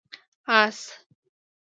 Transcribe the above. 🐎 آس